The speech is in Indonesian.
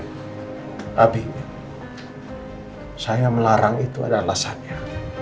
tapi saya melarang itu ada alasannya